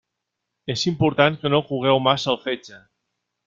És important que no cogueu massa el fetge.